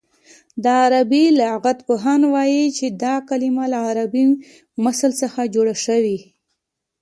د عربي لغت پوهان وايي چې دا کلمه له عربي مثل څخه جوړه شوې